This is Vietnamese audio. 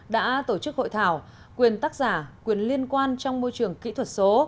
đã tổ chức hội thảo quyền tác giả quyền liên quan trong môi trường kỹ thuật số